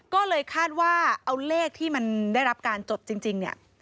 ก็เลยคาดว่าเอาเลขที่มันได้รับการจดจริงเนี่ย